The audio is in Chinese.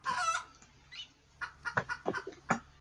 蜀榆为榆科榆属下的一个变种。